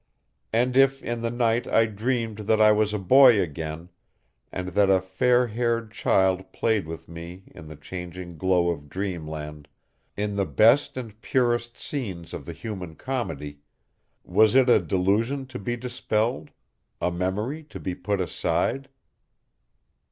And if in the night I dreamed that I was a boy again, and that a fair haired child played with me in the changing glow of dreamland in the best and purest scenes of the human comedy, was it a delusion to be dispelled, a memory to be put aside?